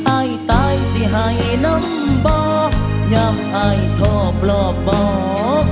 ไอ้ตายสิให้นำบอกยังไอ้ทอบรอบบอก